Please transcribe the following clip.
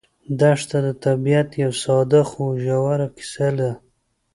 دښته د طبیعت یوه ساده خو ژوره کیسه ده.